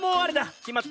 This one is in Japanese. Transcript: きまった。